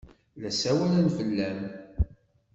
La ssawalen fell-am.